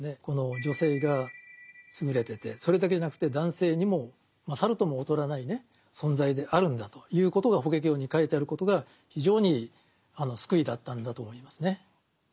この女性が勝れててそれだけじゃなくて男性にも勝るとも劣らない存在であるんだということが「法華経」に書いてあることが非常に救いだったんだと思いますね。